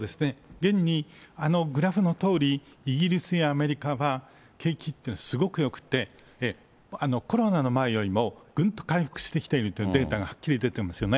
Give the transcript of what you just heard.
現にあのグラフのとおり、現にイギリスやアメリカは景気というのはすごくよくて、コロナの前よりもぐんと回復してきているというデータがはっきり出ていますよね。